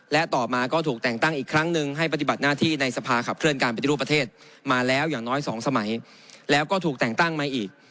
และต่อมาก็ถูกแต่งตั้งอีกครั้งหนึ่งให้ปฏิบัติหน้าที่ในสภาขับเคลื่อนการปฏิรูปประเทศมาแล้วอย่างน้อย๒สมัยแล้วก็ถูกแต่งตั้งมาอีก